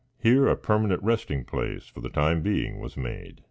Here a permanent resting place, for the time being, was made.